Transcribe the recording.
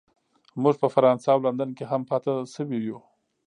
موږ په فرانسه او لندن کې هم پاتې شوي یو